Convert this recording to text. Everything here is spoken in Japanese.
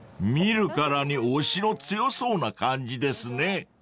［見るからに押しの強そうな感じですね］